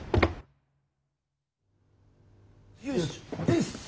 よいしょ。